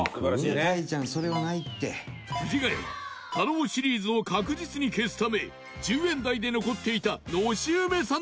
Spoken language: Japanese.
藤ヶ谷は太郎シリーズを確実に消すため１０円台で残っていたのし梅さん